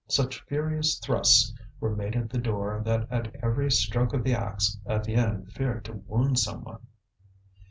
Such furious thrusts were made at the door that at every stroke of the axe Étienne feared to wound someone.